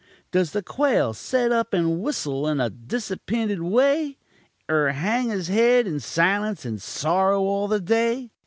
Does the quail set up and whissel in a disappinted way, Er hang his head in silunce, and sorrow all the day?